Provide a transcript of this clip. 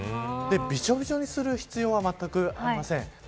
びちょびちょにする必要はまったくありません。